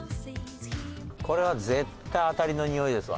これは絶対アタリのにおいですわ。